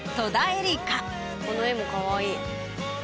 この絵もかわいい。